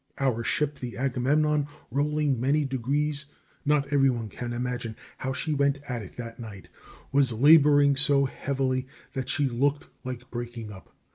Our ship, the Agamemnon, rolling many degrees not every one can imagine how she went at it that night was laboring so heavily that she looked like breaking up.